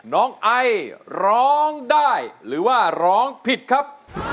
น้องไอร้องได้หรือว่าร้องผิดครับ